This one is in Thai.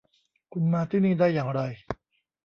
คุณมาที่นี่ได้อย่างไร ?